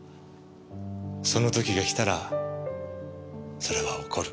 その時がきたらそれは起こる。